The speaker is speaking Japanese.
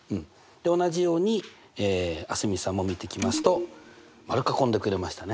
同じように蒼澄さんも見ていきますと丸囲んでくれましたね。